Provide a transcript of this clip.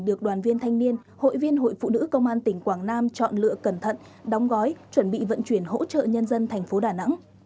được đoàn viên thanh niên hội viên hội phụ nữ công an tỉnh quảng nam chọn lựa cẩn thận đóng gói chuẩn bị vận chuyển hỗ trợ nhân dân thành phố đà nẵng